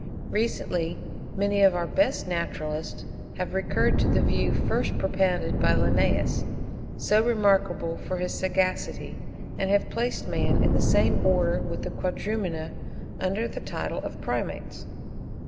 Recently many of our best naturalists have recurred to the view first propounded by Linnaeus, so remarkable for his sagacity, and have placed man in the same Order with the Quadrumana, under the title of the Primates.